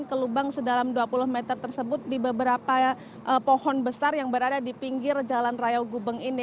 ke lubang sedalam dua puluh meter tersebut di beberapa pohon besar yang berada di pinggir jalan raya gubeng ini